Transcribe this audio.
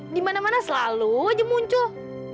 di mana mana selalu aja muncul